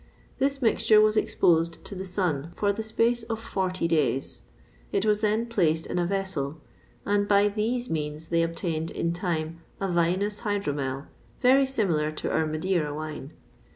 [P] This mixture was exposed to the sun for the space of forty days; it was then placed in a vessel, and by these means they obtained, in time, a vinous hydromel very similar to our Madeira wine.